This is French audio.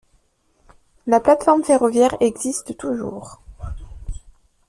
La plate-forme ferroviaire existe toujours.